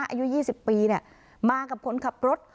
อายุยี่สิบปีเนี่ยมากับคนขับรถ